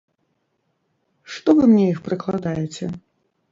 Што вы мне іх прыкладаеце?